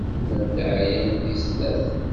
Llant ɛyant deg snat.